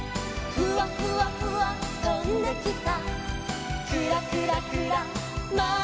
「フワフワフワとんできた」